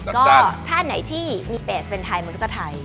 ก็ถ้าไหนที่มีเปรสเป็นไทยมันก็จะไทย